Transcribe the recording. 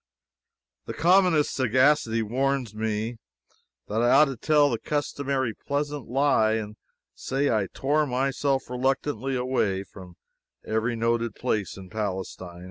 The commonest sagacity warns me that I ought to tell the customary pleasant lie, and say I tore myself reluctantly away from every noted place in Palestine.